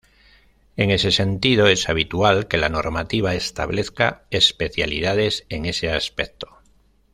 En ese sentido, es habitual que la normativa establezca especialidades en ese aspecto.